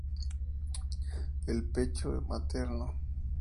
El pecho materno.